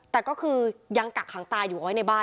แต่ก็คือยังกักขังตาอยู่เอาไว้ในบ้าน